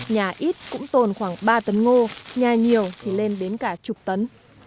nhà ít cũng tồn khoảng ba tấn ngô nhà nhiều thì lên đến cả chục tấn